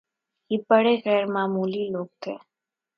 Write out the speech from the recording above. یہ بڑے غیرمعمولی لوگ تھے